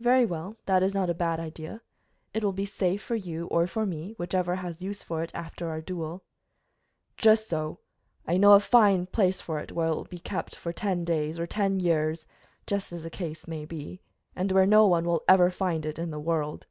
"Very well, that is not a bad idea. It will be safe for you or for me, whichever has use for it after our duel." "Just so. I know a fine place for it, where it will keep for ten days or ten years; just as the case may be, and where no one will ever find it in the world."